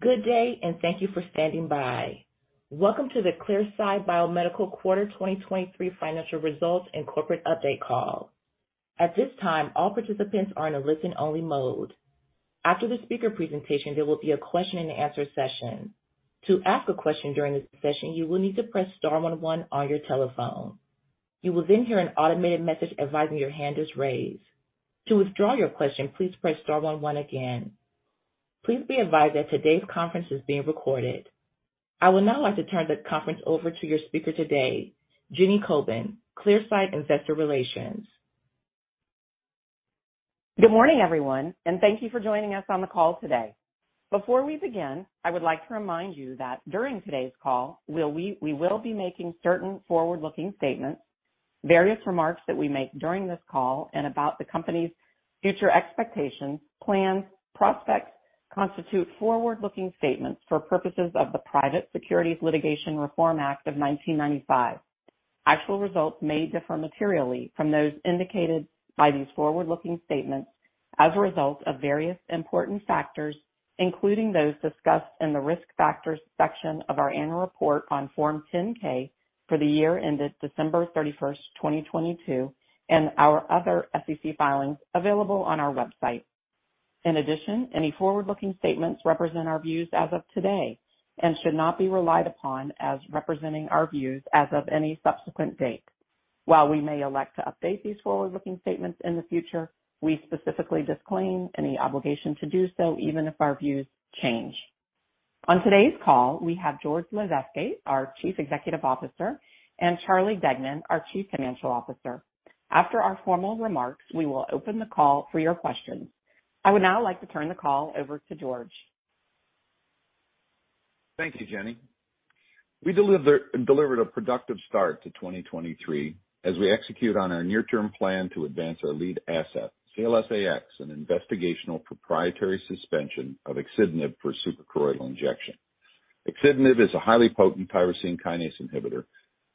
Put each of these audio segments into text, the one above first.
Good day, and thank you for standing by. Welcome to the Clearside Biomedical Quarter 2023 Financial Results and Corporate Update call. At this time, all participants are in a listen-only mode. After the speaker presentation, there will be a question-and-answer session. To ask a question during the session, you will need to press star one one on your telephone. You will then hear an automated message advising your hand is raised. To withdraw your question, please press star one one again. Please be advised that today's conference is being recorded. I would now like to turn the conference over to your speaker today, Jenny Kobin, Clearside Investor Relations. Good morning, everyone, and thank you for joining us on the call today. Before we begin, I would like to remind you that during today's call, we will be making certain forward-looking statements. Various remarks that we make during this call and about the company's future expectations, plans, prospects constitute forward-looking statements for purposes of the Private Securities Litigation Reform Act of 1995. Actual results may differ materially from those indicated by these forward-looking statements as a result of various important factors, including those discussed in the Risk Factors section of our annual report on Form 10-K for the year ended December 31st, 2022, and our other SEC filings available on our website. In addition, any forward-looking statements represent our views as of today and should not be relied upon as representing our views as of any subsequent date. While we may elect to update these forward-looking statements in the future, we specifically disclaim any obligation to do so, even if our views change. On today's call, we have George Lasezkay, our Chief Executive Officer, and Charles Deignan, our Chief Financial Officer. After our formal remarks, we will open the call for your questions. I would now like to turn the call over to George. Thank you, Jenny. We delivered a productive start to 2023 as we execute on our near-term plan to advance our lead asset, CLS-AX, an investigational proprietary suspension of axitinib for suprachoroidal injection. Axitinib is a highly potent tyrosine kinase inhibitor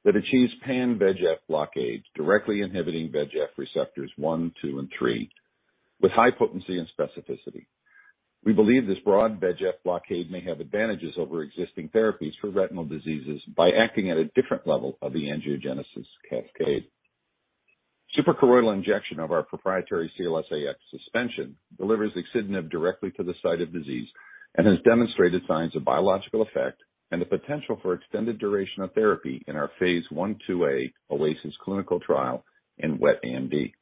that achieves pan-VEGF blockade, directly inhibiting VEGF receptors 1, 2, and 3 with high potency and specificity. We believe this broad VEGF blockade may have advantages over existing therapies for retinal diseases by acting at a different level of the angiogenesis cascade. Suprachoroidal injection of our proprietary CLS-AX suspension delivers axitinib directly to the site of disease and has demonstrated signs of biological effect and the potential for extended duration of therapy in our phase 1/2a OASIS clinical trial in wet AMD.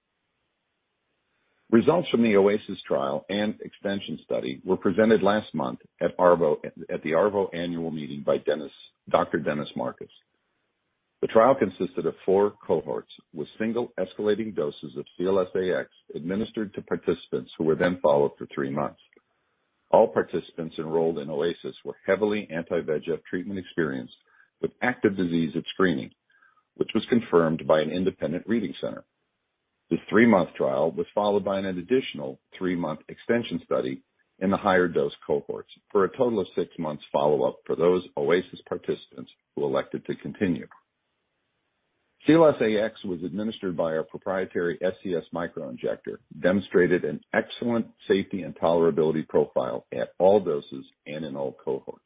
Results from the OASIS trial and extension study were presented last month at ARVO, at the ARVO annual meeting by Dr. Dennis Marcus. The trial consisted of 4 cohorts with single escalating doses of CLS-AX administered to participants who were then followed for three months. All participants enrolled in OASIS were heavily anti-VEGF-treatment-experienced with active disease at screening, which was confirmed by an independent reading center. The three-month trial was followed by an additional three-month extension study in the higher dose cohorts, for a total of six months follow-up for those OASIS participants who elected to continue. CLS-AX was administered by our proprietary SCS Microinjector, demonstrated an excellent safety and tolerability profile at all doses and in all cohorts.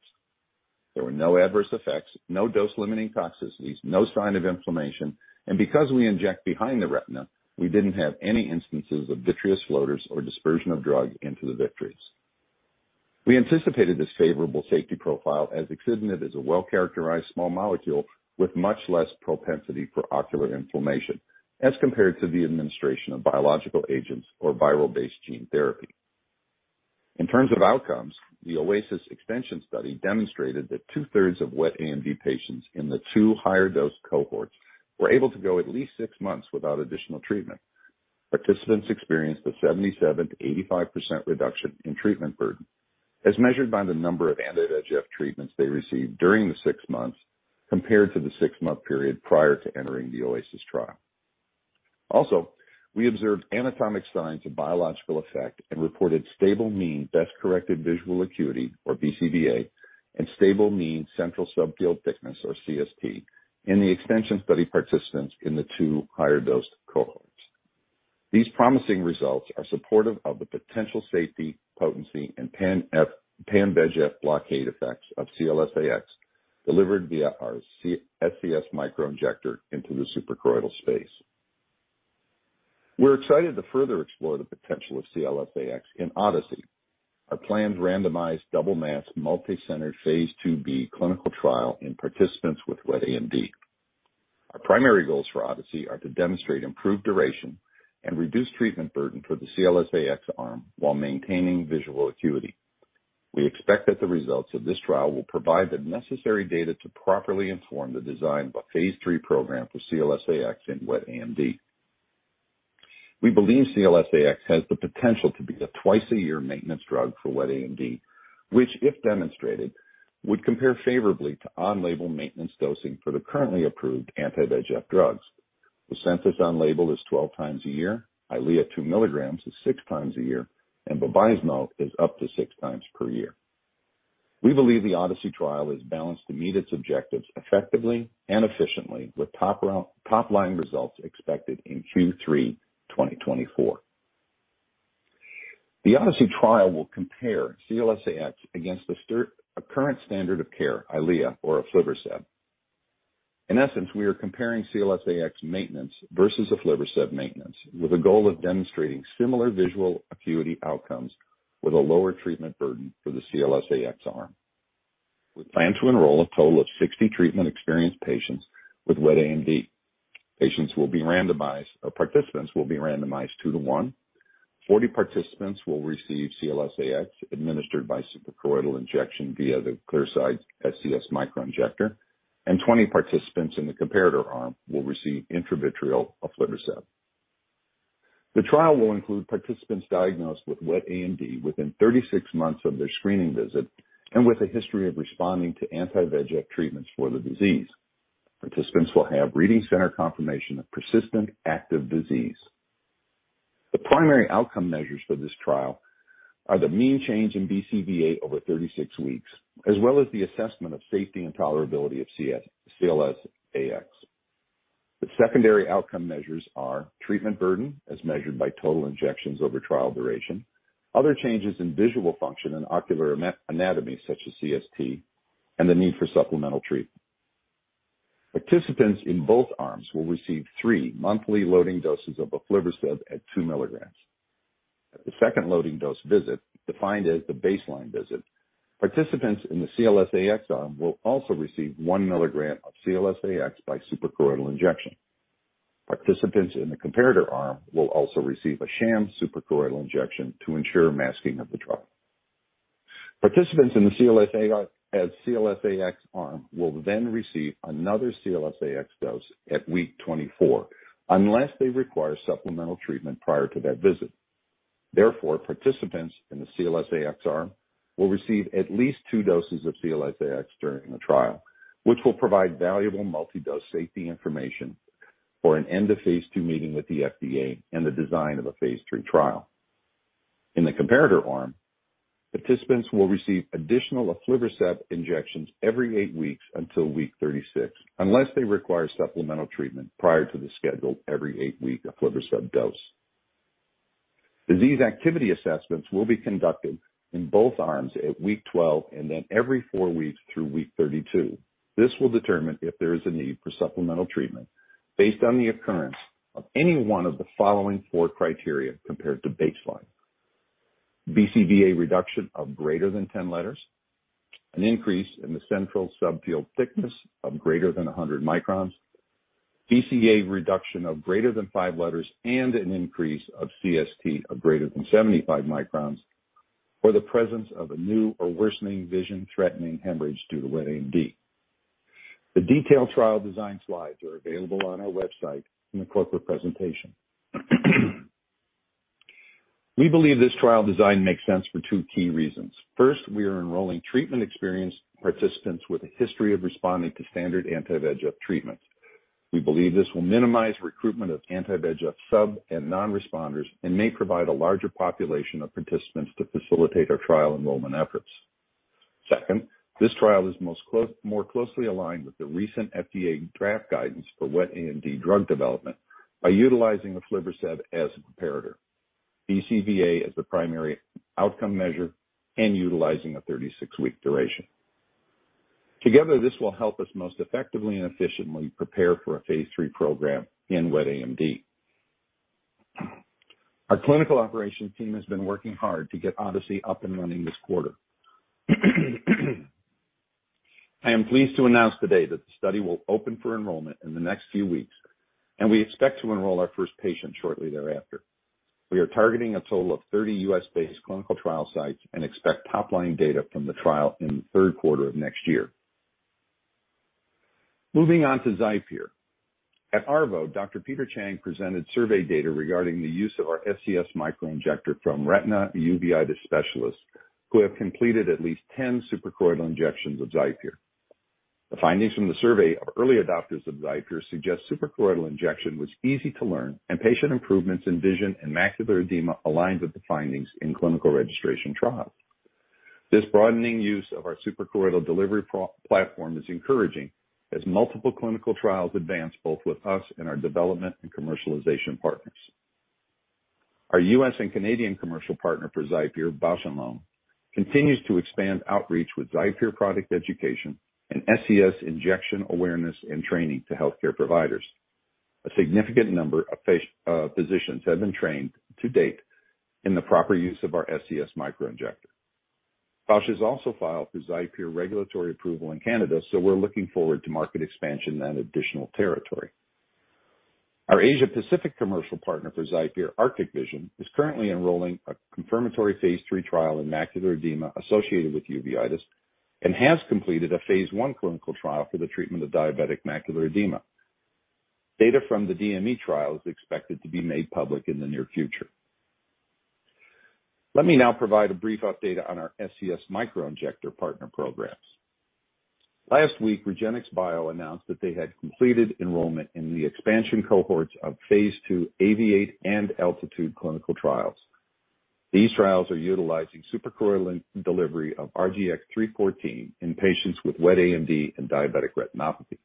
There were no adverse effects, no dose-limiting toxicities, no sign of inflammation, and because we inject behind the retina, we didn't have any instances of vitreous floaters or dispersion of drug into the vitreous. We anticipated this favorable safety profile as axitinib is a well-characterized small molecule with much less propensity for ocular inflammation as compared to the administration of biological agents or viral-based gene therapy. In terms of outcomes, the OASIS extension study demonstrated that two-thirds of wet AMD patients in the two higher dose cohorts were able to go at least six months without additional treatment. Participants experienced a 77%-85% reduction in treatment burden as measured by the number of anti-VEGF treatments they received during the six months compared to the six-month period prior to entering the OASIS trial. We observed anatomic signs of biological effect and reported stable mean best-corrected visual acuity, or BCVA, and stable mean central subfield thickness, or CST, in the extension study participants in the two higher dosed cohorts. These promising results are supportive of the potential safety, potency, and pan-VEGF blockade effects of CLS-AX delivered via our SCS Microinjector into the suprachoroidal space. We're excited to further explore the potential of CLS-AX in ODYSSEY, our planned randomized double-masked multicenter phase 2b clinical trial in participants with wet AMD. Our primary goals for ODYSSEY are to demonstrate improved duration and reduce treatment burden for the CLS-AX arm while maintaining visual acuity. We expect that the results of this trial will provide the necessary data to properly inform the design of a phase 3 program for CLS-AX in wet AMD. We believe CLS-AX has the potential to be a twice a year maintenance drug for wet AMD, which if demonstrated, would compare favorably to on-label maintenance dosing for the currently approved anti-VEGF drugs. Lucentis on label is 12 times a year. Eylea 2 milligrams is six times a year. Bevacizumab is up to six times per year. We believe the ODYSSEY trial is balanced to meet its objectives effectively and efficiently, with topline results expected in Q3 2024. The ODYSSEY trial will compare CLS-AX against the current standard of care, Eylea or aflibercept. In essence, we are comparing CLS-AX maintenance versus aflibercept maintenance with a goal of demonstrating similar visual acuity outcomes with a lower treatment burden for the CLS-AX arm. We plan to enroll a total of 60 treatment experienced patients with wet AMD. participants will be randomized 2:1. 40 participants will receive CLS-AX administered by suprachoroidal injection via the Clearside SCS Microinjector, and 20 participants in the comparator arm will receive intravitreal aflibercept. The trial will include participants diagnosed with wet AMD within 36 months of their screening visit and with a history of responding to anti-VEGF treatments for the disease. Participants will have reading center confirmation of persistent active disease. The primary outcome measures for this trial are the mean change in BCVA over 36 weeks, as well as the assessment of safety and tolerability of CLS-AX. The secondary outcome measures are treatment burden as measured by total injections over trial duration, other changes in visual function and ocular anatomy such as CST, and the need for supplemental treatment. Participants in both arms will receive three monthly loading doses of aflibercept at 2 milligrams. At the second loading dose visit, defined as the baseline visit, participants in the CLS-AX arm will also receive 1 milligram of CLS-AX by suprachoroidal injection. Participants in the comparator arm will also receive a sham suprachoroidal injection to ensure masking of the trial. Participants in the CLS-AX arm will then receive another CLS-AX dose at week 24, unless they require supplemental treatment prior to that visit. Therefore, participants in the CLS-AX arm will receive at least two doses of CLS-AX during the trial, which will provide valuable multi-dose safety information for an end of phase 2 meeting with the FDA and the design of a phase 3 trial. In the comparator arm, participants will receive additional aflibercept injections every eight weeks until week 36, unless they require supplemental treatment prior to the scheduled every eight-week aflibercept dose. Disease activity assessments will be conducted in both arms at week 12 and then every four weeks through week 32. This will determine if there is a need for supplemental treatment based on the occurrence of any one of the following four criteria compared to baseline. BCVA reduction of greater than 10 letters, an increase in the central subfield thickness of greater than 100 microns, BCVA reduction of greater than five letters and an increase of CST of greater than 75 microns, or the presence of a new or worsening vision-threatening hemorrhage due to wet AMD. The detailed trial design slides are available on our website in the corporate presentation. We believe this trial design makes sense for two key reasons. First, we are enrolling treatment-experienced participants with a history of responding to standard anti-VEGF treatments. We believe this will minimize recruitment of anti-VEGF sub and non-responders and may provide a larger population of participants to facilitate our trial enrollment efforts. This trial is more closely aligned with the recent FDA draft guidance for wet AMD drug development by utilizing aflibercept as a comparator. BCVA is the primary outcome measure and utilizing a 36-week duration. Together, this will help us most effectively and efficiently prepare for a phase 3 program in wet AMD. Our clinical operations team has been working hard to get ODYSSEY up and running this quarter. I am pleased to announce today that the study will open for enrollment in the next few weeks, and we expect to enroll our first patient shortly thereafter. We are targeting a total of 30 U.S.-based clinical trial sites and expect top-line data from the trial in the third quarter of next year. Moving on to XIPERE. At ARVO, Dr. Peter Chang presented survey data regarding the use of our SCS Microinjector from retina and uveitis specialists who have completed at least 10 suprachoroidal injections of XIPERE. The findings from the survey of early adopters of XIPERE suggest suprachoroidal injection was easy to learn, and patient improvements in vision and macular edema aligns with the findings in clinical registration trials. This broadening use of our suprachoroidal delivery platform is encouraging as multiple clinical trials advance both with us and our development and commercialization partners. Our U.S. and Canadian commercial partner for XIPERE, Bausch + Lomb, continues to expand outreach with XIPERE product education and SCS injection awareness and training to healthcare providers. A significant number of physicians have been trained to date in the proper use of our SCS Microinjector. Bausch has also filed for XIPERE regulatory approval in Canada, so we're looking forward to market expansion in that additional territory. Our Asia-Pacific commercial partner for XIPERE, Arctic Vision, is currently enrolling a confirmatory phase 3 trial in macular edema associated with uveitis and has completed a phase 1 clinical trial for the treatment of diabetic macular edema. Data from the DME trial is expected to be made public in the near future. Let me now provide a brief update on our SCS Microinjector partner programs. Last week, REGENXBIO announced that they had completed enrollment in the expansion cohorts of phase 2 AAVIATE and ALTITUDE clinical trials. These trials are utilizing suprachoroidal delivery of RGX-314 in patients with wet AMD and diabetic retinopathy.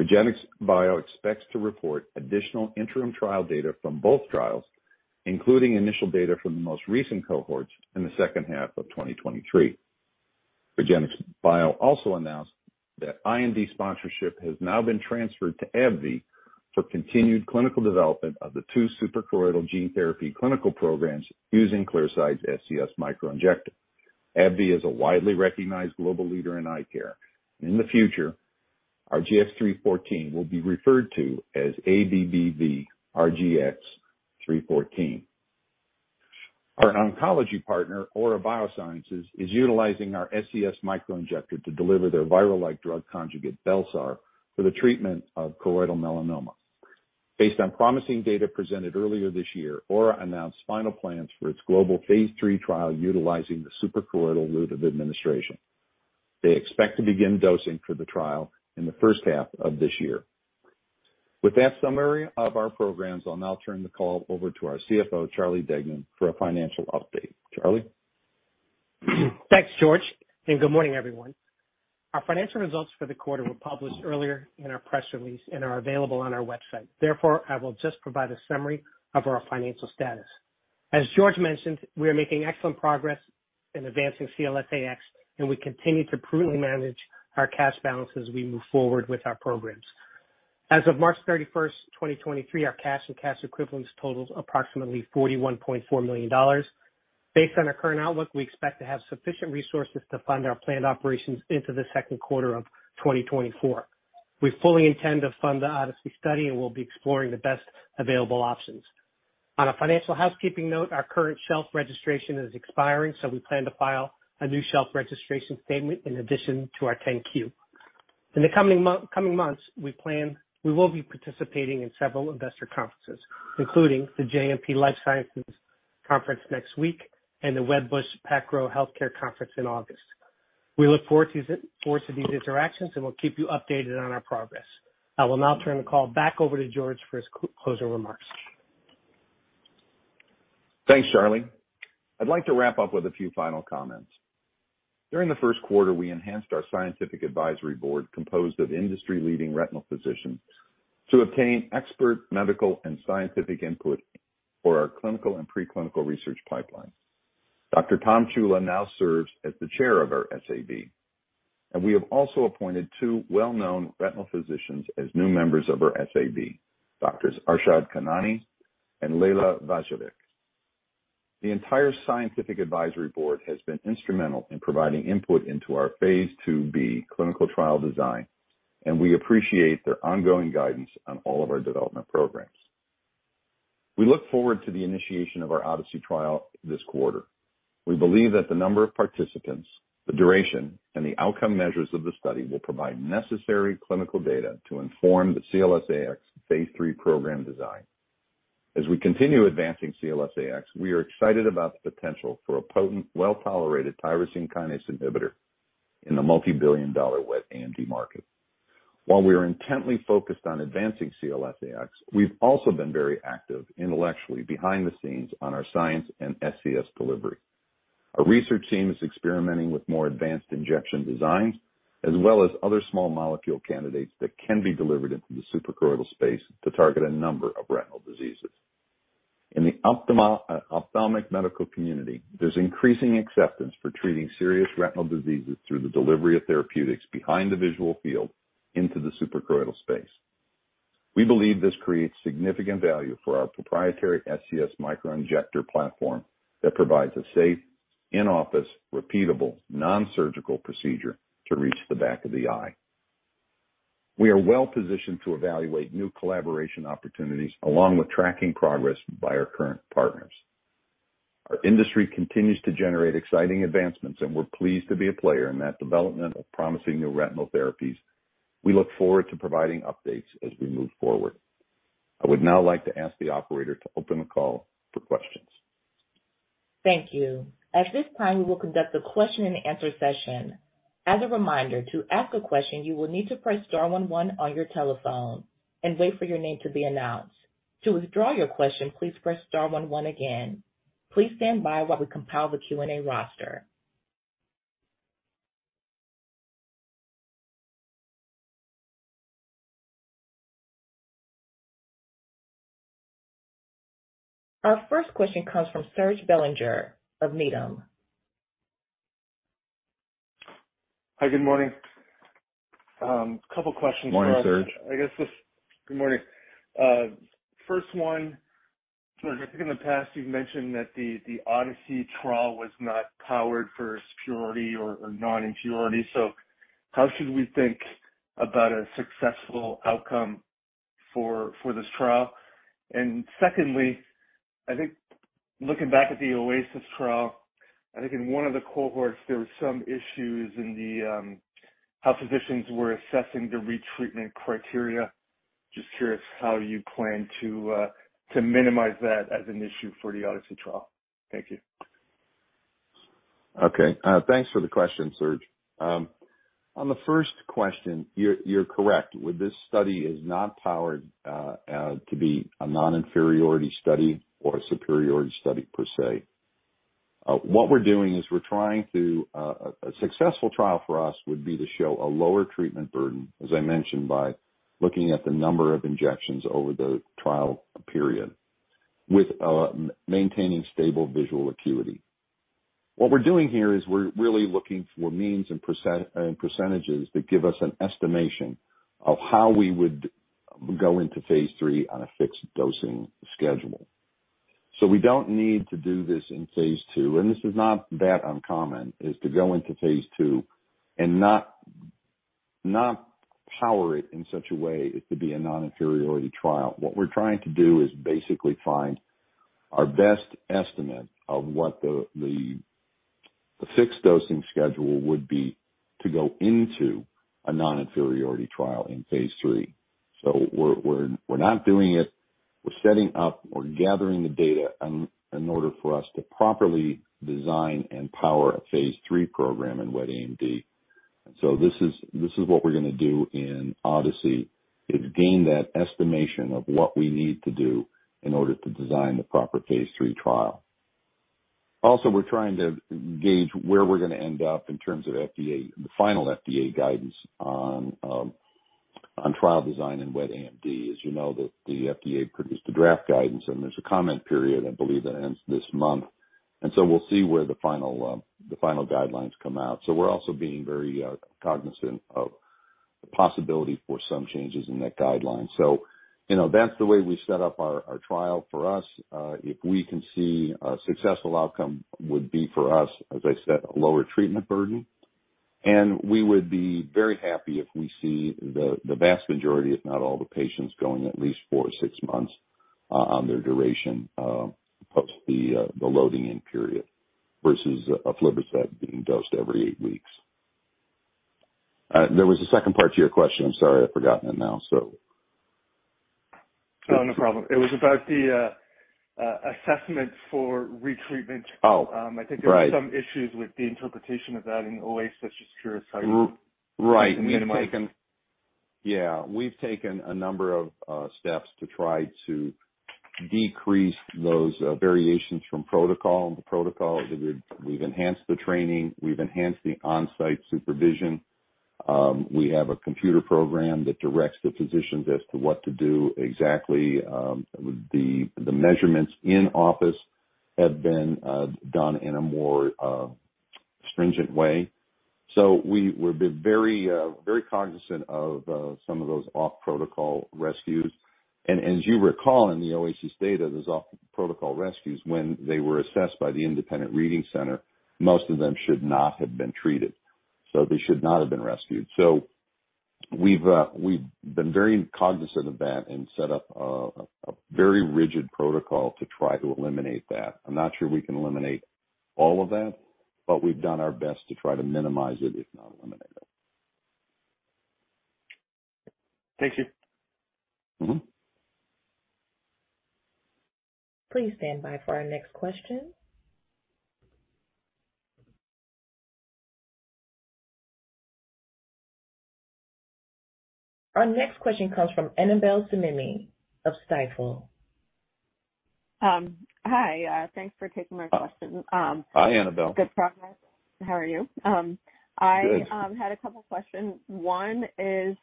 REGENXBIO expects to report additional interim trial data from both trials, including initial data from the most recent cohorts in the second half of 2023. REGENXBIO also announced that IND sponsorship has now been transferred to AbbVie for continued clinical development of the two suprachoroidal gene therapy clinical programs using Clearside's SCS Microinjector. AbbVie is a widely recognized global leader in eye care. In the future, RGX-314 will be referred to as ABBV-RGX-314. Our oncology partner, Aura Biosciences, is utilizing our SCS Microinjector to deliver their virus-like drug conjugate, bel-sar, for the treatment of choroidal melanoma. Based on promising data presented earlier this year, Aura announced final plans for its global phase 3 trial utilizing the suprachoroidal route of administration. They expect to begin dosing for the trial in the first half of this year. With that summary of our programs, I'll now turn the call over to our CFO, Charles Deignan, for a financial update. Charlie? Thanks, George. Good morning, everyone. Our financial results for the quarter were published earlier in our press release and are available on our website. Therefore, I will just provide a summary of our financial status. As George mentioned, we are making excellent progress in advancing CLS-AX, and we continue to prudently manage our cash balance as we move forward with our programs. As of March 31, 2023, our cash and cash equivalents totaled approximately $41.4 million. Based on our current outlook, we expect to have sufficient resources to fund our planned operations into the second quarter of 2024. We fully intend to fund the ODYSSEY study, and we'll be exploring the best available options. On a financial housekeeping note, our current shelf registration is expiring, so we plan to file a new shelf registration statement in addition to our Form 10-Q. In the coming months, we will be participating in several investor conferences, including the JMP Securities Life Sciences Conference next week and the Wedbush PacGrow Healthcare Conference in August. We look forward to these interactions, we'll keep you updated on our progress. I will now turn the call back over to George for his closing remarks. Thanks, Charlie. I'd like to wrap up with a few final comments. During the first quarter, we enhanced our Scientific Advisory Board, composed of industry-leading retinal physicians, to obtain expert medical and scientific input for our clinical and preclinical research pipeline. Dr. Tom Ciulla now serves as the chair of our SAB. We have also appointed two well-known retinal physicians as new members of our SAB, Doctors Arshad Khanani and Lejla Vajzovic. The entire Scientific Advisory Board has been instrumental in providing input into our phase 2b clinical trial design. We appreciate their ongoing guidance on all of our development programs. We look forward to the initiation of our ODYSSEY trial this quarter. We believe that the number of participants, the duration, and the outcome measures of the study will provide necessary clinical data to inform the CLS-AX Phase 3 program design. As we continue advancing CLS-AX, we are excited about the potential for a potent, well-tolerated tyrosine kinase inhibitor in the multibillion-dollar wet AMD market. We are intently focused on advancing CLS-AX, we've also been very active intellectually behind the scenes on our science and SCS delivery. Our research team is experimenting with more advanced injection designs, as well as other small molecule candidates that can be delivered into the suprachoroidal space to target a number of retinal diseases. In the ophthalmic medical community, there's increasing acceptance for treating serious retinal diseases through the delivery of therapeutics behind the visual field into the suprachoroidal space. We believe this creates significant value for our proprietary SCS Microinjector platform that provides a safe, in-office, repeatable, non-surgical procedure to reach the back of the eye. We are well-positioned to evaluate new collaboration opportunities along with tracking progress by our current partners. Our industry continues to generate exciting advancements, and we're pleased to be a player in that development of promising new retinal therapies. We look forward to providing updates as we move forward. I would now like to ask the operator to open the call for questions. Thank you. At this time, we will conduct a question-and-answer session. As a reminder, to ask a question, you will need to press star one one on your telephone and wait for your name to be announced. To withdraw your question, please press star one one again. Please stand by while we compile the Q&A roster. Our first question comes from Serge Belanger of Needham. Hi, good morning. couple questions for us. Morning, Serge. Good morning. First one, George, I think in the past you've mentioned that the ODYSSEY trial was not powered for superiority or non-inferiority. How should we think about a successful outcome for this trial? Secondly, I think looking back at the OASIS trial, I think in one of the cohorts, there were some issues in the how physicians were assessing the retreatment criteria. Just curious how you plan to minimize that as an issue for the ODYSSEY trial? Thank you. Okay. Thanks for the question, Serge. On the first question, you're correct. With this study is not powered to be a non-inferiority study or a superiority study per se. A successful trial for us would be to show a lower treatment burden, as I mentioned, by looking at the number of injections over the trial period with maintaining stable visual acuity. What we're doing here is we're really looking for means and percentages that give us an estimation of how we would go into phase 3 on a fixed dosing schedule. We don't need to do this in phase 2, this is not that uncommon, is to go into phase 2 and not power it in such a way as to be a non-inferiority trial. What we're trying to do is basically find our best estimate of what the fixed dosing schedule would be to go into a non-inferiority trial in phase 3. We're not doing it. We're setting up, we're gathering the data in order for us to properly design and power a phase 3 program in wet AMD. This is what we're gonna do in ODYSSEY, is gain that estimation of what we need to do in order to design the proper phase 3 trial. We're trying to gauge where we're gonna end up in terms of FDA, the final FDA guidance on trial design and wet AMD. As you know, the FDA produced a draft guidance, and there's a comment period, I believe that ends this month. We'll see where the final, the final guidelines come out. We're also being very cognizant of the possibility for some changes in that guideline. You know, that's the way we set up our trial. For us, if we can see a successful outcome would be for us, as I said, a lower treatment burden. We would be very happy if we see the vast majority, if not all the patients, going at least four or six months on their duration post the loading in period versus aflibercept being dosed every eight weeks. There was a second part to your question. I'm sorry, I've forgotten it now. Oh, no problem. It was about the assessment for retreatment. Oh, right. I think there were some issues with the interpretation of that in OASIS. Just curious how you. Right. Minimum. Yeah. We've taken a number of steps to try to decrease those variations from protocol. The protocol, we've enhanced the training. We've enhanced the on-site supervision. We have a computer program that directs the physicians as to what to do exactly. The measurements in office have been done in a more stringent way. We've been very cognizant of some of those off-protocol rescues. As you recall in the OASIS data, those off-protocol rescues when they were assessed by the independent reading center, most of them should not have been treated. They should not have been rescued. We've been very cognizant of that and set up a very rigid protocol to try to eliminate that. I'm not sure we can eliminate all of that, but we've done our best to try to minimize it, if not eliminate it. Thank you. Please stand by for our next question. Our next question comes from Annabel Samimy of Stifel. Hi. Thanks for taking my question. Hi, Annabel. Good morning. How are you? Good. I had a couple questions. One is,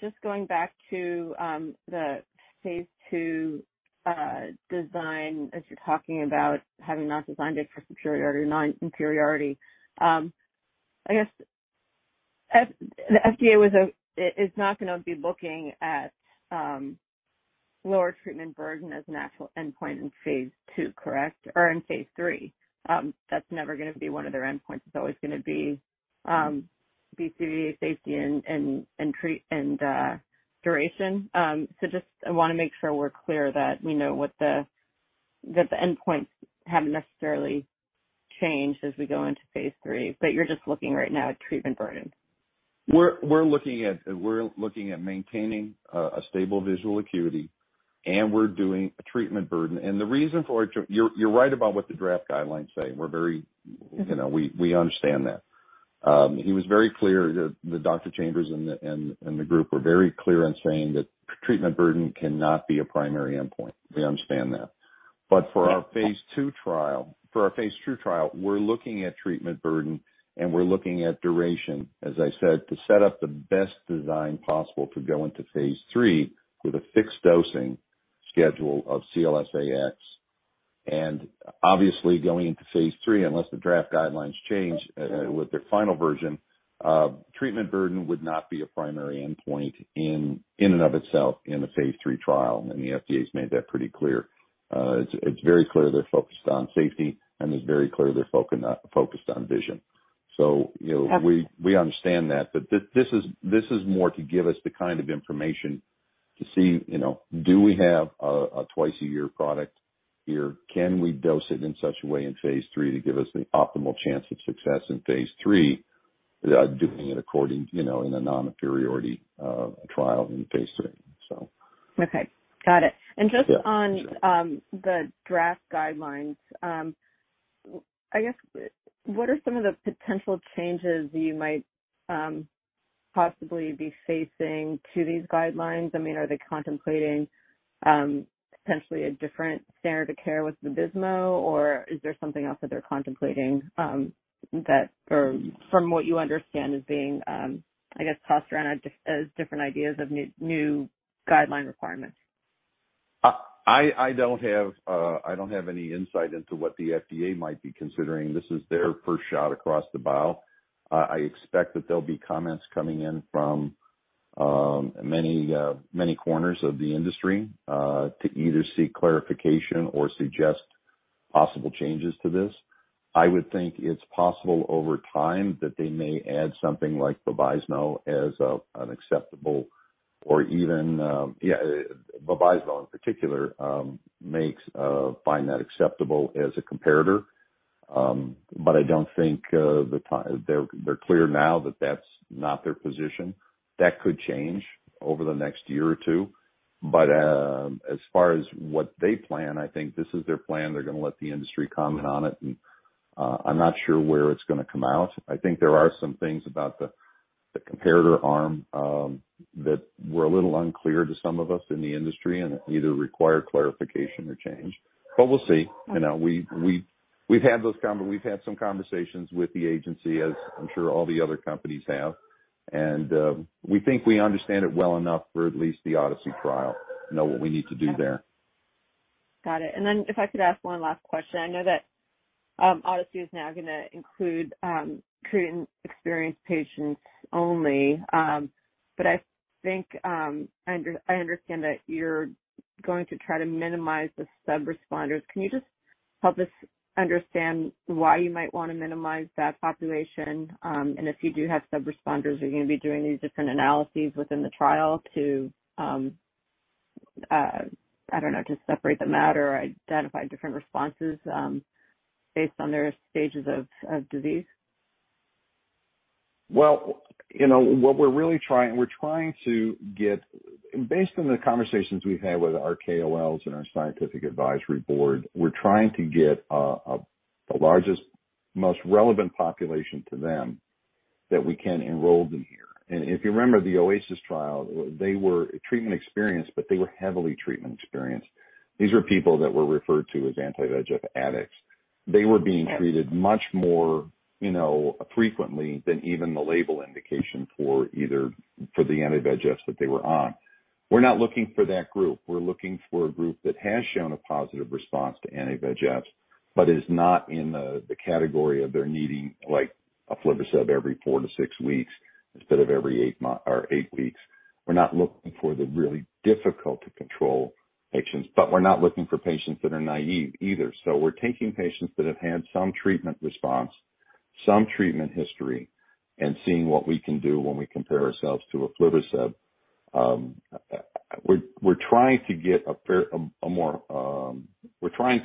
just going back to the phase 2 design as you're talking about having not designed it for superiority or non-inferiority. I guess the FDA was, is not gonna be looking at lower treatment burden as an actual endpoint in phase 2, correct? Or in phase 3. That's never gonna be one of their endpoints. It's always gonna be BCVA safety and duration. Just I wanna make sure we're clear that we know what the, that the endpoints haven't necessarily changed as we go into phase 3, but you're just looking right now at treatment burden. We're looking at maintaining a stable visual acuity, and we're doing a treatment burden. The reason for it. You're right about what the draft guidelines say. You know, we understand that. He was very clear, Dr. Chambers and the group were very clear in saying that treatment burden cannot be a primary endpoint. We understand that. For our phase 2 trial, we're looking at treatment burden, and we're looking at duration, as I said, to set up the best design possible to go into phase 3 with a fixed dosing schedule of CLS-AX. Obviously going into phase 3, unless the draft guidelines change with their final version, treatment burden would not be a primary endpoint in and of itself in the phase 3 trial, and the FDA's made that pretty clear. It's very clear they're focused on safety, and it's very clear they're focused on vision. You know. We understand that. This is more to give us the kind of information to see, you know, do we have a twice a year product here? Can we dose it in such a way in phase 3 to give us the optimal chance of success in phase 3? Without doing it according, you know, in a non-inferiority trial in phase 3. Okay, got it. Yeah. Just on the draft guidelines, I guess what are some of the potential changes you might possibly be facing to these guidelines? I mean, are they contemplating potentially a different standard of care with the bevacizumab, or is there something else that they're contemplating that or from what you understand is being, I guess, tossed around as different ideas of new guideline requirements? I don't have any insight into what the FDA might be considering. This is their first shot across the bow. I expect that there'll be comments coming in from many corners of the industry to either seek clarification or suggest possible changes to this. I would think it's possible over time that they may add something like bevacizumab as an acceptable or even, yeah, bevacizumab in particular, find that acceptable as a comparator. I don't think they're clear now that that's not their position. That could change over the next year or two. As far as what they plan, I think this is their plan. They're gonna let the industry comment on it, I'm not sure where it's gonna come out. I think there are some things about the comparator arm that were a little unclear to some of us in the industry and either require clarification or change. We'll see. You know, we've had some conversations with the agency, as I'm sure all the other companies have, and we think we understand it well enough for at least the ODYSSEY trial, know what we need to do there. Got it. If I could ask one last question. I know that ODYSSEY is now gonna include treatment-experienced patients only. But I think, I understand that you're going to try to minimize the sub-responders. Can you just help us understand why you might wanna minimize that population? And if you do have sub-responders, are you gonna be doing these different analyses within the trial to, I don't know, to separate them out or identify different responses, based on their stages of disease? You know, we're trying to get. Based on the conversations we've had with our KOLs and our Scientific Advisory Board, we're trying to get a largest, most relevant population to them that we can enroll them here. If you remember the OASIS trial, they were treatment experienced, they were heavily treatment experienced. These were people that were referred to as anti-VEGF addicts. They were being treated much more, you know, frequently than even the label indication for the anti-VEGFs that they were on. We're not looking for that group. We're looking for a group that has shown a positive response to anti-VEGFs is not in the category of they're needing like aflibercept every four to six weeks instead of every eight weeks. We're not looking for the really difficult to control patients, but we're not looking for patients that are naive either. We're taking patients that have had some treatment response, some treatment history, and seeing what we can do when we compare ourselves to aflibercept. We're trying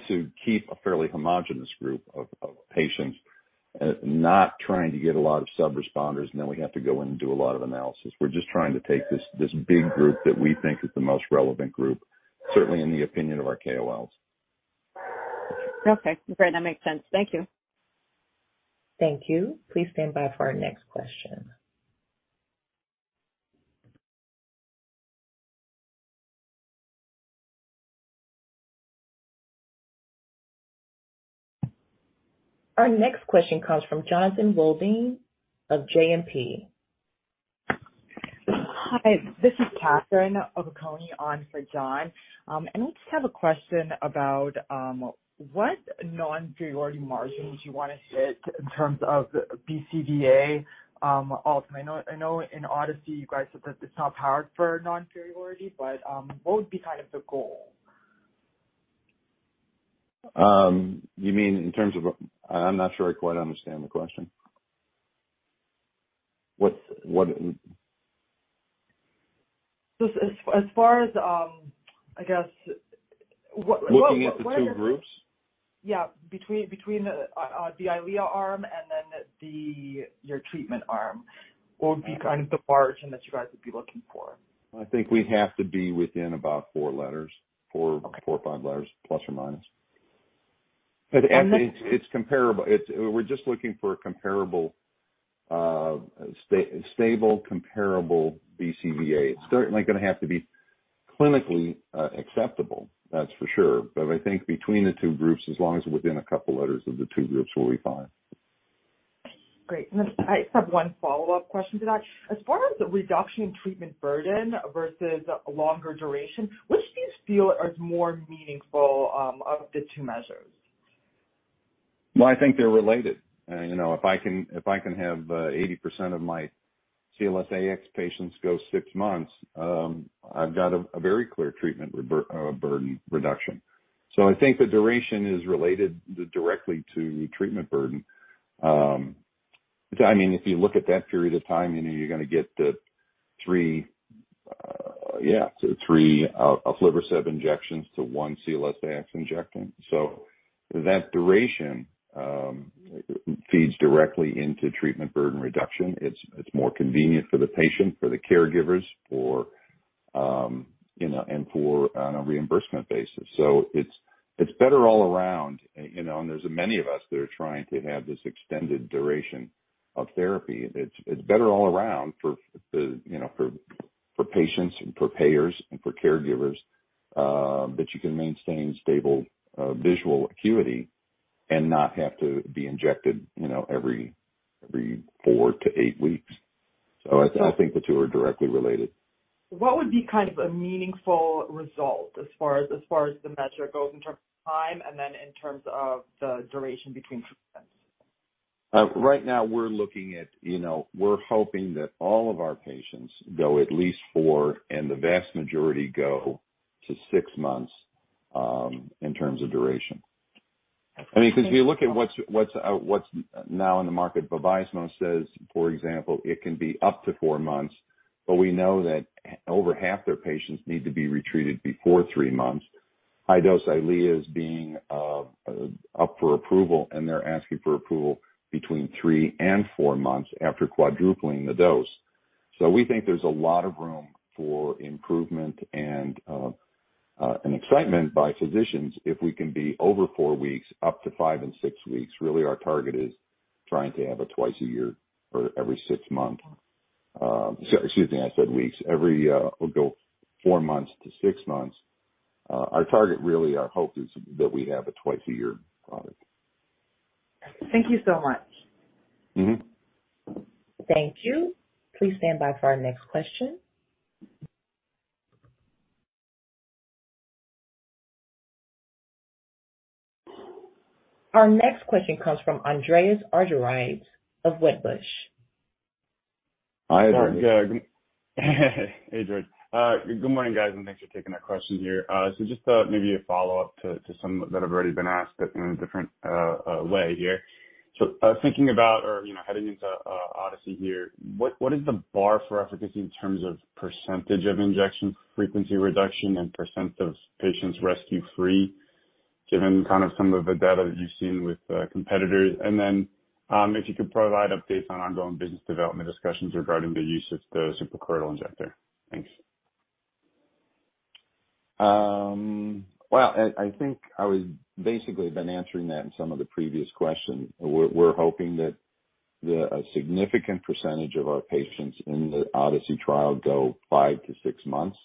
to keep a fairly homogeneous group of patients, not trying to get a lot of sub-responders, and then we have to go in and do a lot of analysis. We're just trying to take this big group that we think is the most relevant group, certainly in the opinion of our KOLs. Okay. Great. That makes sense. Thank you. Thank you. Please stand by for our next question. Our next question comes from Jonathan Wolleben of JMP. Hi, this is Catherine O'Keeffe on for John. I just have a question about what non-inferiority margins you wanna hit in terms of BCVA ultimately. I know, I know in ODYSSEY you guys said that it's not powered for non-inferiority, but what would be kind of the goal? You mean in terms of. I'm not sure I quite understand the question. What? Just as far as, I guess, what. Looking at the two groups? Yeah, between the Eylea arm and then your treatment arm, what would be kind of the margin that you guys would be looking for? I think we have to be within about four letters. Okay. Four or five letters ±. It's comparable. We're just looking for a comparable, stable, comparable BCVA. It's certainly gonna have to be clinically acceptable, that's for sure. I think between the two groups, as long as within a couple letters of the two groups, we'll be fine. Great. I just have one follow-up question to that. As far as reduction in treatment burden versus longer duration, which do you feel is more meaningful of the two measures? Well, I think they're related. you know, if I can, if I can have 80% of my CLS-AX patients go six months, I've got a very clear treatment burden reduction. I think the duration is related directly to treatment burden. I mean, if you look at that period of time, you know you're gonna get three aflibercept injections to one CLS-AX injection. That duration feeds directly into treatment burden reduction. It's more convenient for the patient, for the caregivers, for, you know, and for on a reimbursement basis. It's better all around, you know, and there's many of us that are trying to have this extende--duration of therapy. It's better all around for the, you know, for patients and for payers and for caregivers, that you can maintain stable visual acuity and not have to be injected, you know, every four to eight weeks. I think the two are directly related. What would be kind of a meaningful result as far as the measure goes in terms of time and then in terms of the duration between? Right now we're looking at, you know, we're hoping that all of our patients go at least four, and the vast majority go to six months in terms of duration. I mean, 'cause if you look at what's now in the market, Vabysmo says, for example, it can be up to four months, but we know that over half their patients need to be retreated before three months. High-dose Eylea is being up for approval, and they're asking for approval between three and four months after quadrupling the dose. We think there's a lot of room for improvement and excitement by physicians if we can be over four weeks, up to five and six weeks. Really, our target is trying to have a twice-a-year or every six month. Excuse me, I said weeks. Every, we'll go four-six months. Our target, really, our hope is that we have a twice-a-year product. Thank you so much. Thank you. Please stand by for our next question. Our next question comes from Andreas Argyrides of Wedbush. Hi, Andreas. Good morning, guys, and thanks for taking our question here. Just maybe a follow-up to some that have already been asked, but in a different way here. Thinking about or, you know, heading into ODYSSEY here, what is the bar for efficacy in terms of percentage of injection frequency reduction and % of patients rescue-free, given kind of some of the data that you've seen with competitors? If you could provide updates on ongoing business development discussions regarding the use of the suprachoroidal injector. Thanks. Well, I think I was basically been answering that in some of the previous questions. We're hoping that a significant percentage of our patients in the ODYSSEY trial go five to six months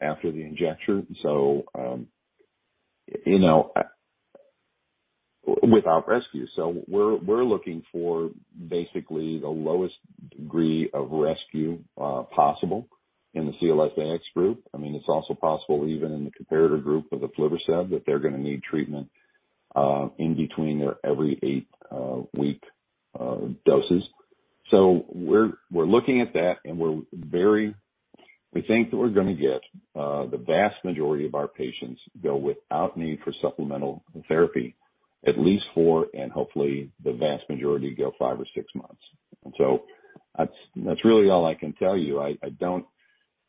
after the injection. You know, without rescue. We're looking for basically the lowest degree of rescue possible in the CLS-AX group. I mean, it's also possible even in the comparator group of the aflibercept that they're gonna need treatment in between their every eight-week doses. We're looking at that and we think that we're gonna get the vast majority of our patients go without need for supplemental therapy, at least four, and hopefully the vast majority go five or six months. That's really all I can tell you. I don't.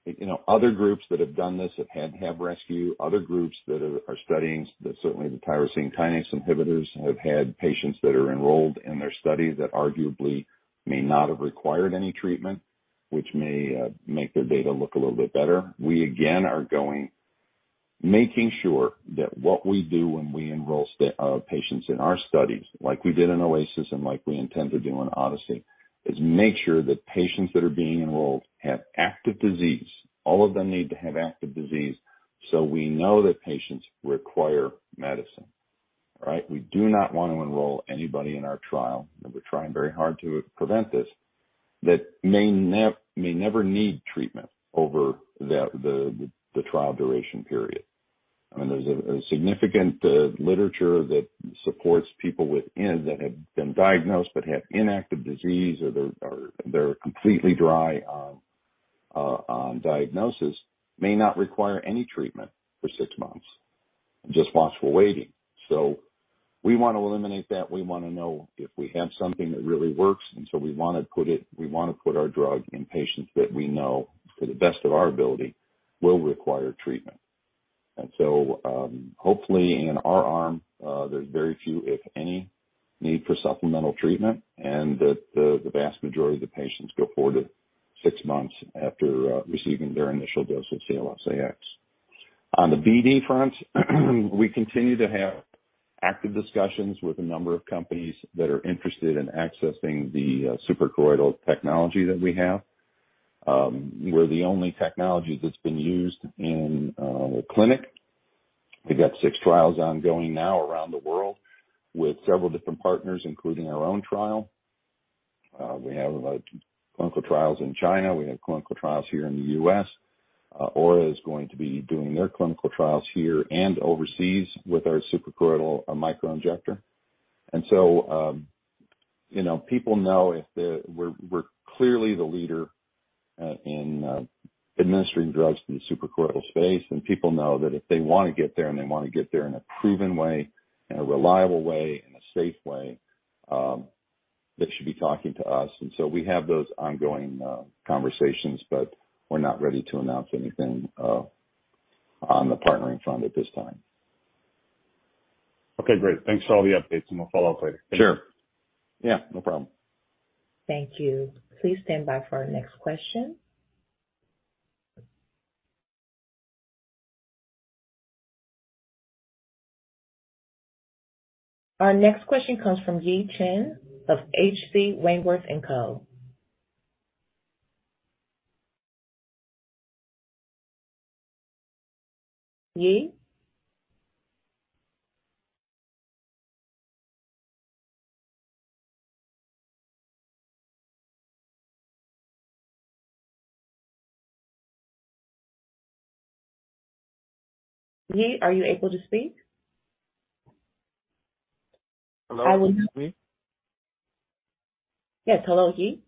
You know, other groups that have done this have had rescue. Other groups that are studying, that certainly the tyrosine kinase inhibitors, have had patients that are enrolled in their study that arguably may not have required any treatment, which may make their data look a little bit better. We, again, are making sure that what we do when we enroll patients in our studies, like we did in OASIS and like we intend to do in ODYSSEY, is make sure that patients that are being enrolled have active disease. All of them need to have active disease, we know that patients require medicine. Right? We do not want to enroll anybody in our trial, we're trying very hard to prevent this, that may never need treatment over the trial duration period. I mean, there's a significant literature that supports people with N that have been diagnosed but have inactive disease or they're completely dry on diagnosis, may not require any treatment for six months and just watchful waiting. We wanna eliminate that. We wanna know if we have something that really works, we wanna put our drug in patients that we know, to the best of our ability, will require treatment. Hopefully in our arm, there's very few, if any, need for supplemental treatment, and that the vast majority of the patients go four to six months after receiving their initial dose of CLS-AX. On the BD front, we continue to have active discussions with a number of companies that are interested in accessing the suprachoroidal technology that we have. We're the only technology that's been used in the clinic. We've got six trials ongoing now around the world with several different partners, including our own trial. We have clinical trials in China. We have clinical trials here in the U.S. Aura Biosciences is going to be doing their clinical trials here and overseas with our SCS Microinjector. You know, people know we're clearly the leader in administering drugs in the suprachoroidal space, and people know that if they wanna get there and they wanna get there in a proven way, in a reliable way, in a safe way, That should be talking to us. We have those ongoing conversations, but we're not ready to announce anything on the partnering front at this time. Okay, great. Thanks for all the updates. We'll follow up later. Sure. Yeah, no problem. Thank you. Please stand by for our next question. Our next question comes from Yi Chen of H.C. Wainwright & Co. Yi? Yi, are you able to speak? Hello, can you hear me? Yes. Hello, Yi.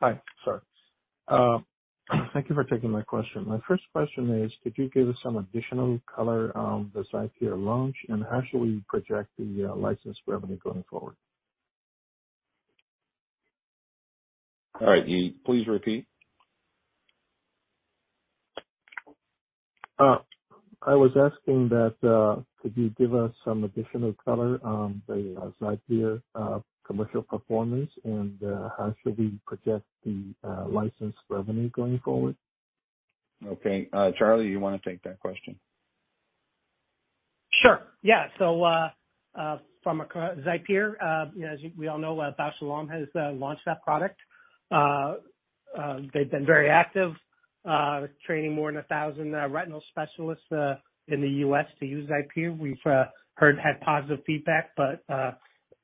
Hi. Sorry. Thank you for taking my question. My first question is, could you give us some additional color on the XIPERE launch, and how should we project the license revenue going forward? All right, Yi, please repeat. I was asking that, could you give us some additional color on the XIPERE commercial performance and, how should we project the license revenue going forward? Okay. Charlie, you wanna take that question? Sure, yeah. From XIPERE, you know, as we all know, Bausch + Lomb has launched that product. They've been very active, training more than 1,000 retinal specialists in the U.S. to use XIPERE. We've heard had positive feedback,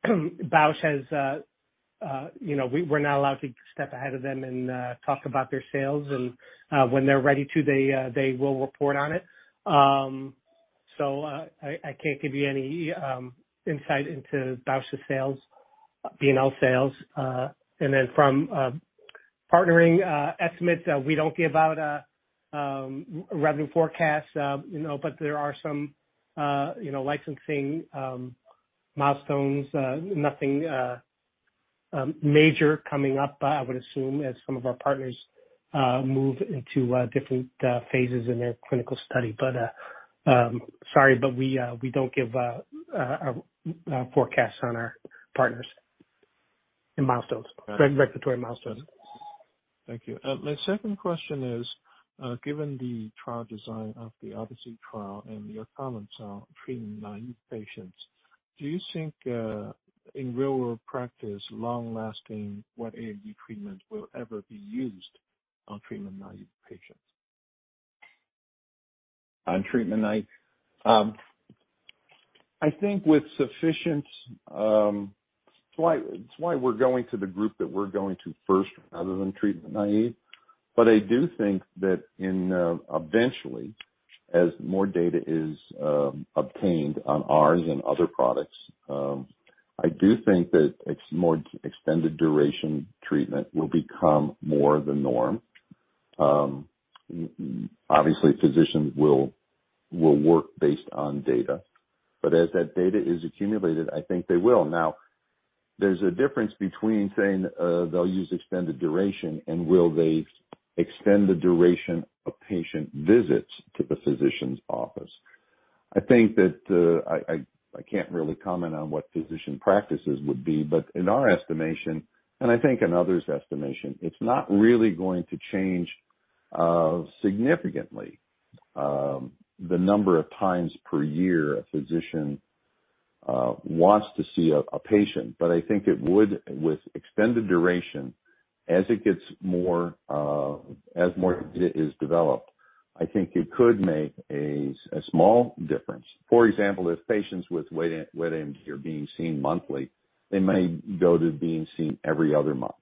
Bausch has, you know, we're not allowed to step ahead of them and talk about their sales. When they're ready to, they will report on it. I can't give you any insight into Bausch's sales, P&L sales. Then from partnering estimates, we don't give out a revenue forecast, you know, but there are some, you know, licensing milestones, nothing major coming up, I would assume, as some of our partners move into different phases in their clinical study. Sorry, but we don't give a forecast on our partners and milestones, regulatory milestones. Thank you. My second question is, given the trial design of the ODYSSEY trial and your comments on treatment-naive patients, do you think in real world practice long-lasting wet AMD treatment will ever be used on treatment-naive patients? On treatment-naive. I think with sufficient. It's why we're going to the group that we're going to first other than treatment-naive. I do think that in eventually, as more data is obtained on ours and other products, I do think that its more extended-duration treatment will become more the norm. Obviously, physicians will work based on data, but as that data is accumulated, I think they will. Now, there's a difference between saying they'll use extended-duration and will they extend the duration of patient visits to the physician's office. I think that I can't really comment on what physician practices would be, but in our estimation, and I think in others' estimation, it's not really going to change significantly the number of times per year a physician wants to see a patient. I think it would with extended-duration as it gets more, as more data is developed, I think it could make a small difference. For example, if patients with wet AMD are being seen monthly, they may go to being seen every other month,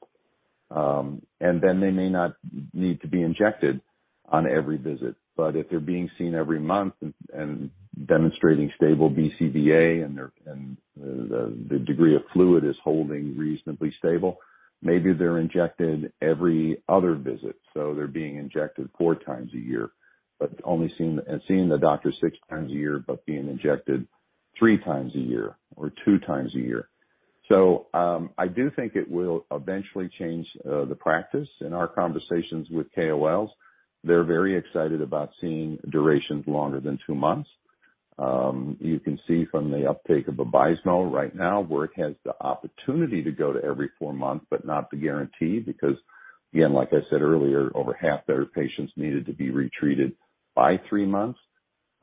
and then they may not need to be injected on every visit. If they're being seen every month and demonstrating stable BCVA and the degree of fluid is holding reasonably stable, maybe they're injected every other visit, so they're being injected four times a year, but only seeing the doctor six times a year but being injected three times a year or two times a year. I do think it will eventually change the practice. In our conversations with KOLs, they're very excited about seeing durations longer than two months. You can see from the uptake of Vabysmo right now, where it has the opportunity to go to every four months, but not the guarantee, because again, like I said earlier, over half their patients needed to be retreated by three months.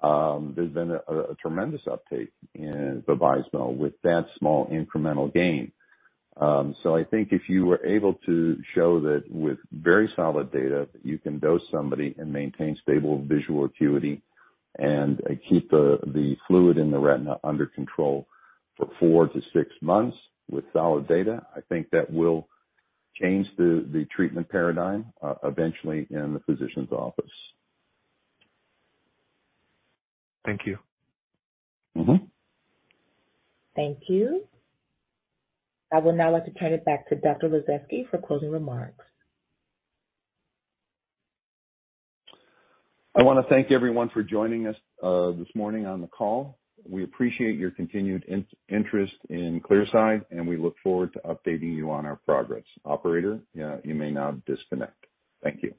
There's been a tremendous uptake in Vabysmo with that small incremental gain. I think if you were able to show that with very solid data, that you can dose somebody and maintain stable visual acuity and keep the fluid in the retina under control for four to six months with solid data, I think that will change the treatment paradigm eventually in the physician's office. Thank you. Thank you. I would now like to turn it back to Dr. Lasezkay for closing remarks. I wanna thank everyone for joining us this morning on the call. We appreciate your continued interest in Clearside, and we look forward to updating you on our progress. Operator, you may now disconnect. Thank you.